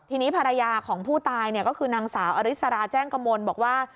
ทีนี้ภรรยาของผู้ตายก็คือนางสาวอริสราแจ้งกระมวลบอกว่า